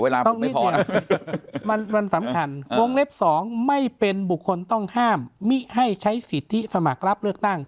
สองไม่เป็นบุคคลต้องห้ามมิให้ใช้สิทธิสมัครรับเลือกตั้ง